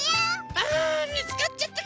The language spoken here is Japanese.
あみつかっちゃったか。